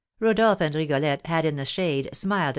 Rodolph and Rigolette had in the shade smiled at M.